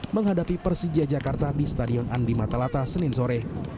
menghadapi persija jakarta di stadion andi matalata senin sore